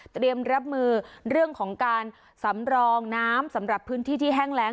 เตรียมรับมือเรื่องของการสำรองน้ำสำหรับพื้นที่ที่แห้งแรง